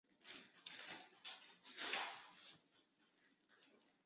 松驹的后辈。